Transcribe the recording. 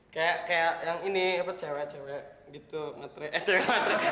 kayak kayak yang ini apa cewek cewek gitu matre eh cewek cewek